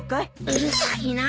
うるさいなぁ。